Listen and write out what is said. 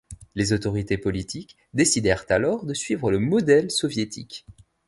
Les autorités politiques décidèrent alors de suivre le modèle soviétique.